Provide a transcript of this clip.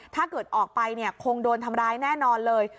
ถ้าเกิดออกไปเนี่ยคงโดนทำร้ายแน่นอนเลย